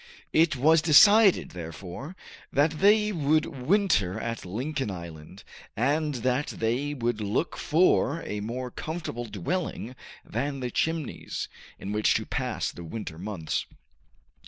It was decided, therefore, that they would winter at Lincoln Island, and that they would look for a more comfortable dwelling than the Chimneys, in which to pass the winter months.